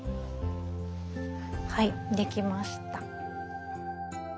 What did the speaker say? はい出来ました。